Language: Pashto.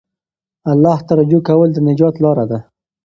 الله ته رجوع کول د نجات لاره ده.